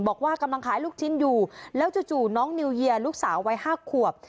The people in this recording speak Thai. บอกว่ากำลังขายลูกชิ้นอยู่แล้วจู่น้องนิวเยียร์ลูกสาววัย๕ขวบ